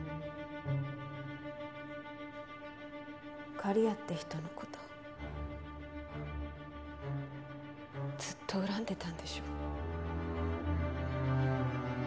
刈谷って人の事ずっと恨んでたんでしょ？